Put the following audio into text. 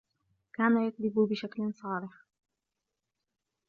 كان يكذب بشكل صارخ.